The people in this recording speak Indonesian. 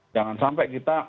jangan sampai kita tersilaukan